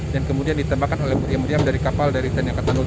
dan kemudian ditembakan oleh meriam meriam dari kapal dari tni angkatan laut